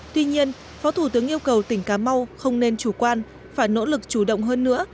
tuy nhiên phó thủ tướng yêu cầu tỉnh cà mau không nên chủ quan phải nỗ lực chủ động hơn nữa